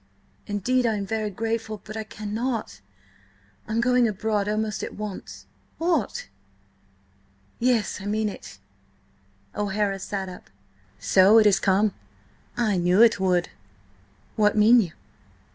Indeed, I am very grateful, but–I cannot. I am going abroad almost at once." "What?" "Yes. I mean it." O'Hara sat up. "So it has come! I knew it would!" "What mean you?"